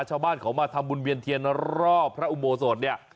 ชาวบ้านเขามาทำบุญเวียนเทียนรอบพระอุโบสถเนี่ย